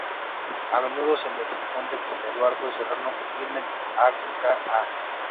A menudo se le confunde con Eduardo Serrano Climent a.k.a.